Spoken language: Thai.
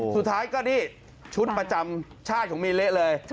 สุดท้ายก็นี่ชุดประจำชาติของมีเละเลย